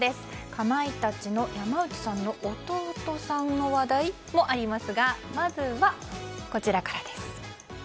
かまいたちの山内さんの弟さんの話題もありますがまずはこちらからです。